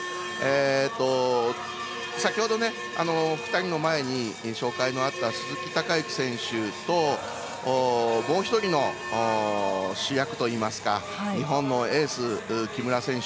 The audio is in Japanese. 先ほど、２人の前に紹介のあった鈴木孝幸選手ともう１人の主役といいますか日本のエース、木村選手。